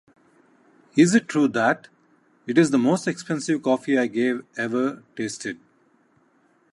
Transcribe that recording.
Is it true that? it is the most expensive coffee I gave ever tasted.